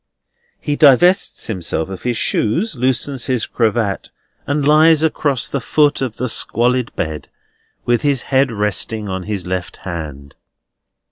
He divests himself of his shoes, loosens his cravat, and lies across the foot of the squalid bed, with his head resting on his left hand.